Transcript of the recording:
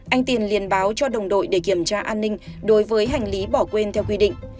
anh tiền liên báo cho đồng đội để kiểm tra an ninh đối với hành lý bỏ quên theo quy định